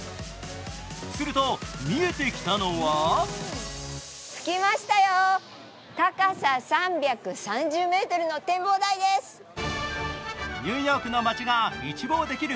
すると見えてきたのはニューヨークの街が一望できる